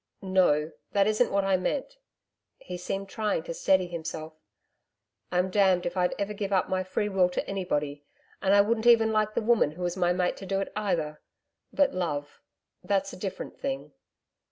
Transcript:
'No that isn't what I meant.' He seemed trying to steady himself. 'I'm damned if I'd ever give up my free will to anybody, and I wouldn't like even the woman who was my mate to do it either. But love that's a different thing....'